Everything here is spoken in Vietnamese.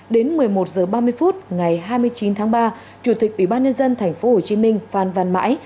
đến một mươi một h ba mươi phút ngày hai mươi chín tháng ba chủ tịch ủy ban nhân dân tp hcm phan văn mãi